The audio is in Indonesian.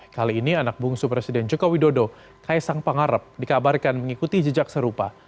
kali ini anak bungsu presiden joko widodo kaisang pangarep dikabarkan mengikuti jejak serupa